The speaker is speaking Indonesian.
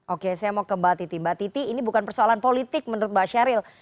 oke saya mau ke mbak titi mbak titi ini bukan persoalan politik menurut mbak sheryl